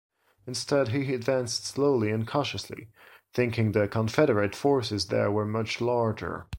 Instead, he advanced slowly and cautiously, thinking the Confederate forces there were much larger.